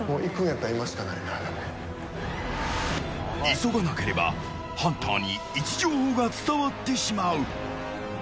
急がなければハンターに位置情報が伝わってしまう。